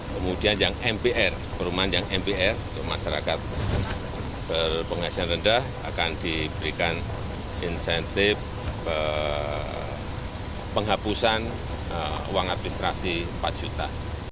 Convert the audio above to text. kemudian yang mpr perumahan yang mpr untuk masyarakat berpenghasilan rendah akan diberikan insentif penghapusan uang administrasi empat juta